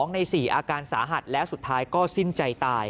ใน๔อาการสาหัสแล้วสุดท้ายก็สิ้นใจตาย